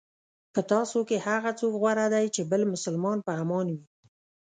په تاسو کې هغه څوک غوره دی چې بل مسلمان په امان وي.